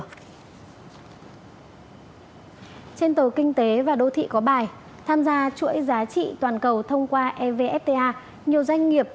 trên tờ kinh tế và đô thị có bài tham gia chuỗi giá trị toàn cầu thông qua evfta nhiều doanh nghiệp